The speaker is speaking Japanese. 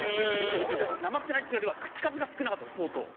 訛ってないというよりは口数が少なかったんです相当。